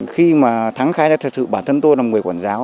khi mà thắng khai ra thật sự bản thân tôi là một người quản giáo